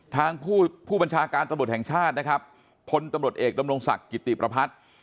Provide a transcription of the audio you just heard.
ทางผู้บรรชาการตำรวจแห่งชาติผลตำรวจเอกล้มรงศักดิ์กิติประพัทธ์